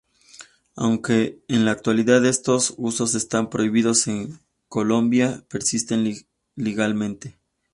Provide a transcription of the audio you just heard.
Aunque en la actualidad estos usos están prohibidos en Colombia, persisten ilegalmente.